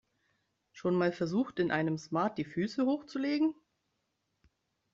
Schon mal versucht, in einem Smart die Füße hochzulegen?